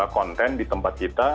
konten di tempat kita